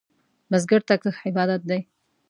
بزګر ته کښت عبادت دی